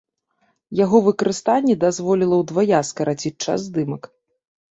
Яго выкарыстанне дазволіла ўдвая скараціць час здымак.